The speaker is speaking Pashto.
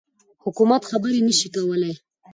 حکومت خبري نه شي کولای.